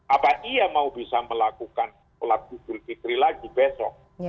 apakah ia mau bisa melakukan ulang ulang idul fitri lagi besok